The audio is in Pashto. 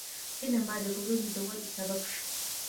فلم باید د ټولنې د ودې سبب شي